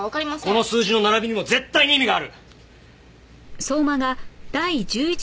この数字の並びにも絶対に意味がある！